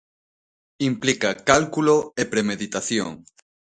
Implica cálculo e premeditación.